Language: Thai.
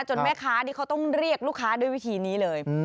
แม่ค้านี่เขาต้องเรียกลูกค้าด้วยวิธีนี้เลย